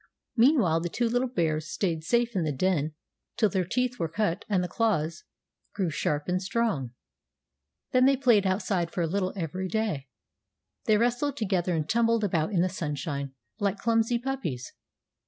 Meanwhile the two little bears stayed safe in the den till their teeth were cut and the claws grew sharp and strong. Then they played outside for a little every day. They wrestled together and tumbled about in the sunshine, like clumsy puppies.